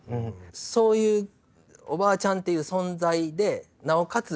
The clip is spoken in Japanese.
そういうおばあちゃんっていう存在でなおかつ